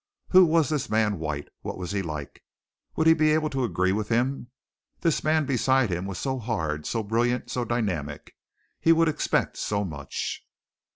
Who was this man White? What was he like? Would he be able to agree with him? This man beside him was so hard, so brilliant, so dynamic! He would expect so much.